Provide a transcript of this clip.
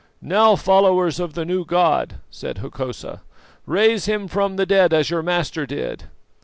"'Now, followers of the new God,' said Hokosa, 'raise him from the dead as your Master did!